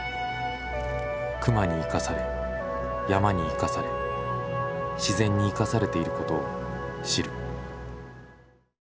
熊に生かされ山に生かされ自然に生かされていることを知る。